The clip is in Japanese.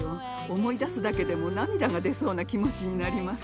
思い出すだけでも涙が出そうな気持ちになります。